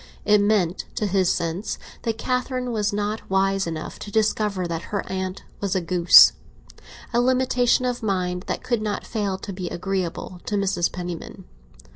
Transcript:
It meant, to his sense, that Catherine was not wise enough to discover that her aunt was a goose—a limitation of mind that could not fail to be agreeable to Mrs. Penniman.